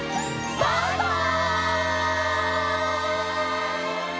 バイバイ！